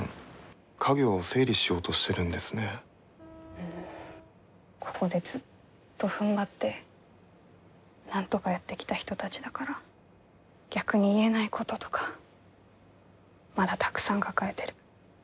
うんここでずっとふんばってなんとかやってきた人たちだから逆に言えないこととかまだたくさん抱えてる。